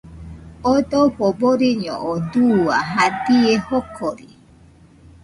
Oo dojo boriño oo dua jadie jokori